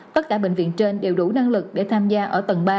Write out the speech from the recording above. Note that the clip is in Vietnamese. tất cả bệnh viện trên đều đủ năng lực để tham gia ở tầng ba